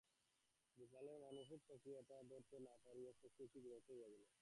গোপালের মানসিক প্রক্রিয়াটা ধরিতে না পারিয়া শশী একটু বিরক্ত হইয়া উঠিল।